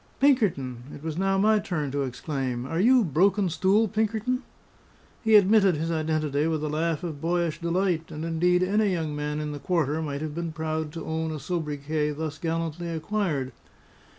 "Pinkerton!" it was now my turn to exclaim. "Are you Broken Stool Pinkerton?" He admitted his identity with a laugh of boyish delight; and indeed any young man in the quarter might have been proud to own a sobriquet thus gallantly acquired.